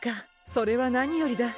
それは何よりだ